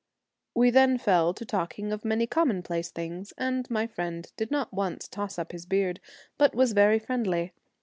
We then fell to talking of many com monplace things, and my friend did not once toss up his beard, but was very friendly.